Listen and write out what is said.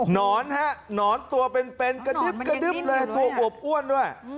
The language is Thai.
หนอนฮะหนอนตัวเป็นกระดึบตัวอบอ้วนด้วย